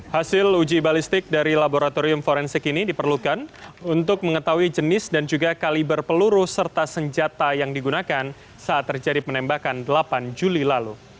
hasil uji balistik dari laboratorium forensik ini diperlukan untuk mengetahui jenis dan juga kaliber peluru serta senjata yang digunakan saat terjadi penembakan delapan juli lalu